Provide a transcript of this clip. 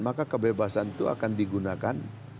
maka kebebasan itu akan digunakan